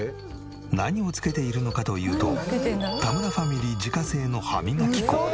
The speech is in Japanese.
何をつけているのかというと田村ファミリー自家製の歯磨き粉。